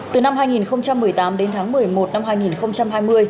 từ năm hai nghìn một mươi tám đến tháng một mươi một năm hai nghìn hai mươi